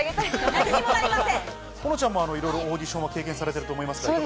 保乃ちゃんもオーディションは経験されてると思いますが。